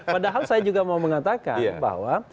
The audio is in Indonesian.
padahal saya juga mau mengatakan bahwa